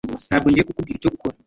Ntabwo ngiye kukubwira icyo gukora